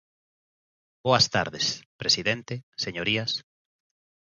Boas tardes, presidente, señorías.